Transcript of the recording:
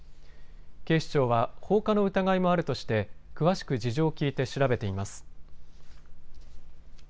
警視庁は放火の疑いもあるとして詳しく事情を聞いて調べています。